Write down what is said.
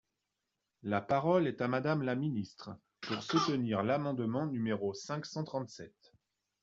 La parole est à Madame la ministre, pour soutenir l’amendement numéro cinq cent trente-sept.